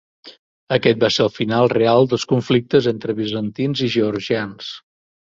Aquest va ser el final real dels conflictes entre bizantins i georgians.